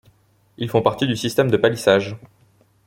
Ils font partie du système de palissage.